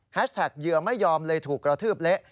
แท็กเหยื่อไม่ยอมเลยถูกกระทืบเละ